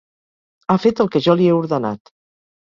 Ha fet el que jo li he ordenat.